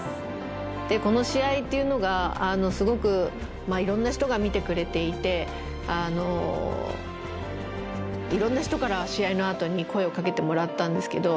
この試合っていうのがすごくいろんな人が見てくれていていろんな人から試合のあとに声をかけてもらったんですけど